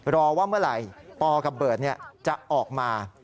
รอว่าเมื่อไหร่ปอกับเบิร์ตจะออกมา